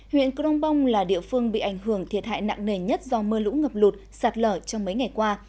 huyện crong bong là địa phương bị ảnh hưởng thiệt hại nặng nề nhất do mưa lũ ngập lụt sạt lở trong mấy ngày qua